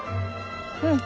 うん。